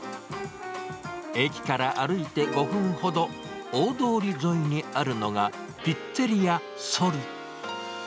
駅から歩いて５分ほど、大通り沿いにあるのが、ピッツェリアソル。